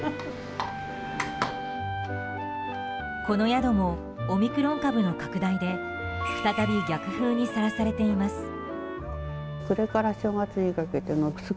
この宿もオミクロン株の拡大で再び逆風にさらされています。